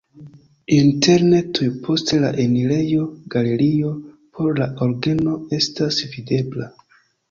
Interne tuj post le enirejo galerio por la orgeno estas videbla.